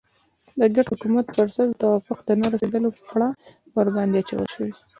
د ګډ حکومت پر سر د توافق نه رسېدلو پړه ورباندې اچول شوې.